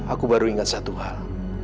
aku baru ingat satu hal